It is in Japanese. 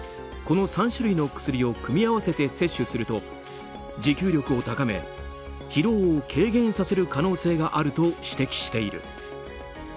この３種類の薬を組み合わせて摂取すると持久力を高め疲労を軽減させる可能性があると指摘している。